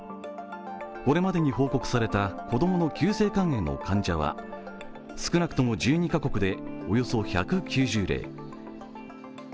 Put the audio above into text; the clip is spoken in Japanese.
これまでに報告された子供の急性肝炎の患者は少なくとも１２カ国でおよそ１９０例。